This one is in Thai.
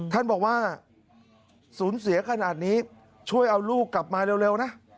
ท่านบอกว่าสูญเสียขนาดนี้ช่วยเอาลูกกลับมาเร็วนะ